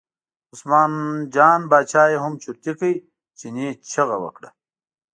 عثمان جان باچا یې هم چرتي کړ، چیني چغه وکړه.